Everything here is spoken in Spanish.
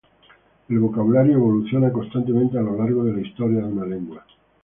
El vocabulario evoluciona constantemente a lo largo de la historia de una lengua.